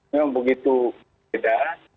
memang begitu tidak